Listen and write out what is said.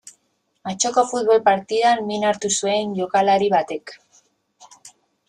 Atzoko futbol partidan min hartu zuen jokalari batek.